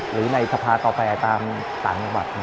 หรือในทภาคกาแฟตามต่างหวัด